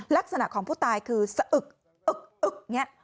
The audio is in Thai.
ลักษณะของผู้ตายคือสะอึกอึกอึกเนี่ย